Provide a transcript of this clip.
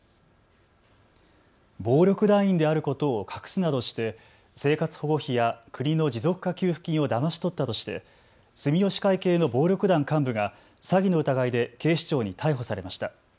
暴力団員であることを隠すなどして、生活保護費や国の持続化給付金をだまし取ったとして住吉会系の暴力団幹部が詐欺の疑いで警視庁に逮捕されました。